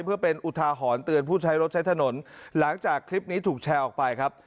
เพื่อเป็นอุทาหรณ์เตือนผู้ใช้รถใช้ถนนหลังจากคลิปนี้ถูกแชร์ออกไปครับ